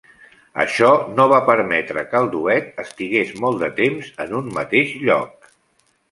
Això no va permetre que el duet estigués molt de temps en un mateix lloc.